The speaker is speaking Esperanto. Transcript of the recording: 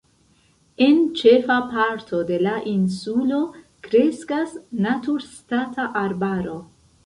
En ĉefa parto de la insulo kreskas naturstata arbaro.